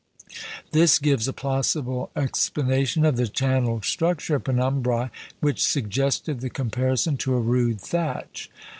This gives a plausible explanation of the channelled structure of penumbræ which suggested the comparison to a rude thatch.